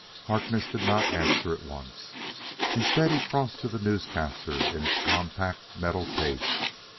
Harkness did not answer at once. Instead he crossed to the newscaster in its compact, metal case.